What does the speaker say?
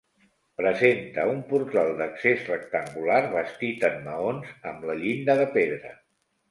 Presenta un portal d'accés rectangular bastit en maons, amb la llinda de pedra.